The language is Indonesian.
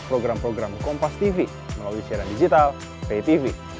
sudah ada komunikasi pak pak mas kibran mengajak pertemu